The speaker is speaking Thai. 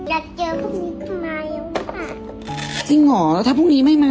อยากเจอพรุ่งนี้ทำไมค่ะจริงเหรอแล้วถ้าพรุ่งนี้ไม่มา